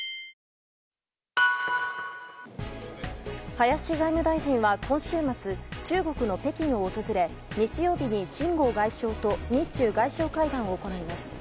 林外務大臣は今週末中国の北京を訪れ日曜日にシン・ゴウ外相と日中外相会談を行います。